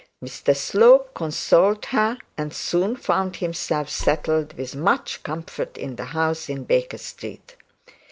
Mr Slope consoled her, and soon found himself settled with much comfort in the house in Baker Street.